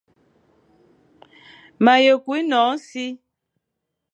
Ma yi kù énon e si.